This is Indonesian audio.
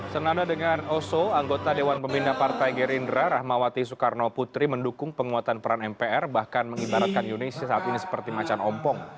senada dengan oso anggota dewan pembina partai gerindra rahmawati soekarno putri mendukung penguatan peran mpr bahkan mengibaratkan yunisi saat ini seperti macan ompong